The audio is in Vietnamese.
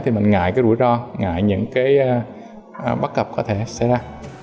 thì mình ngại rủi ro ngại những bất hợp có thể xảy ra